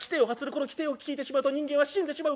この奇声を聞いてしまうと人間は死んでしまう。